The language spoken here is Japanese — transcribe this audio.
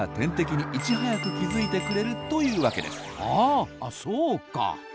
あそうか。